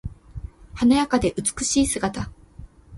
華やかで美しい姿。